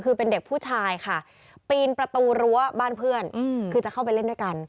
คือเป็นเด็กผู้ชายค่ะปีนประตูรั้วบ้านเพื่อนคือจะเข้าไปเล่นด้วยกัน